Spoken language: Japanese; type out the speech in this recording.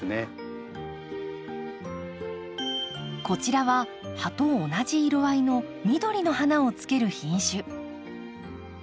こちらは葉と同じ色合いの緑の花をつける品種。